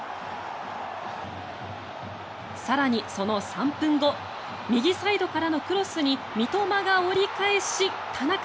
更に、その３分後右サイドからのクロスに三笘が折り返し、田中。